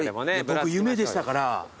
僕夢でしたから。